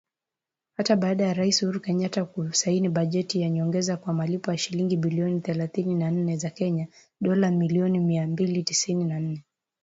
Hata baada ya Rais Uhuru Kenyatta kusaini bajeti ya nyongeza kwa malipo ya shilingi bilioni thelathini na nne za Kenya (dola milioni mia mbili tisini na nane)